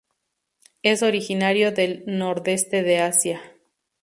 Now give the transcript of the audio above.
Es originario del nordeste de Asia.